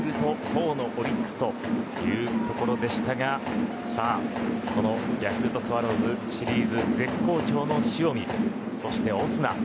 投のオリックスというところでしたがさあ、このヤクルトスワローズシリーズ絶好調の塩見そして、オスナ